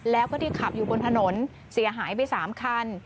แล้วก็ที่ขับอยู่บนถนนเสียหายไป๓คัน